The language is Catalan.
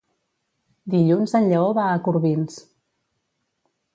Dilluns en Lleó va a Corbins.